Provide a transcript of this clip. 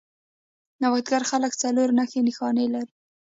نوښتګر خلک څلور نښې نښانې لري.